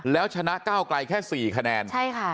แล้วชนะเก้ากลายแค่๔คะแนน